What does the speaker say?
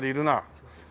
そうですね。